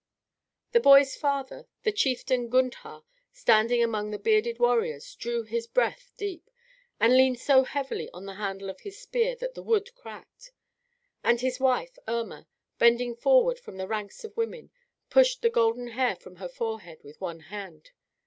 The boy's father, the Chieftain Gundhar, standing among his bearded warriors, drew his breath deep, and leaned so heavily on the handle of his spear that the wood cracked. And his wife, Irma, bending forward from the ranks of women, pushed the golden hair from her forehead with one hand.